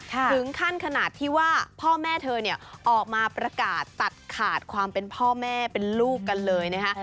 ถึงขั้นขนาดที่ว่าพ่อแม่เธอเนี่ยออกมาประกาศตัดขาดความเป็นพ่อแม่เป็นลูกกันเลยนะคะ